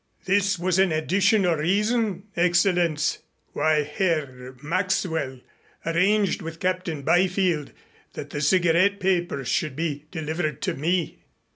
This was an additional reason, Excellenz, why Herr Maxwell arranged with Captain Byfield that the cigarette papers should be delivered to me."